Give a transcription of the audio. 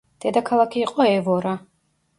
დედაქალაქი იყო ევორა.